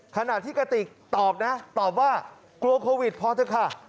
ขณะที่กระติกตอบนะตอบว่ากลัวโควิดพอเถอะค่ะ